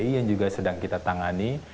iktp yang berjalan dan dilakukan kelabur klien